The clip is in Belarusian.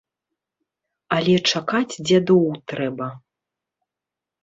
Але чакаць дзядоў трэба.